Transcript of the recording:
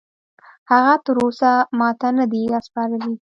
هغه تراوسه ماته نه دي راسپارلي.